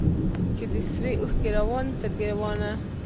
چي دي سرې اوښکي رواني تر ګرېوانه